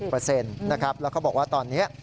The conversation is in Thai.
๗๐เปอร์เซ็นต์นะครับแล้วก็บอกว่าตอนนี้